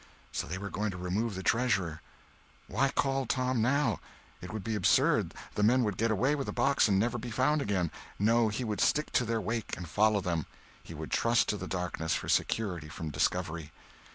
So they were going to remove the treasure. Why call Tom now? It would be absurd—the men would get away with the box and never be found again. No, he would stick to their wake and follow them; he would trust to the darkness for security from discovery.